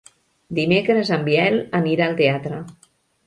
Dimecres en Biel anirà al teatre.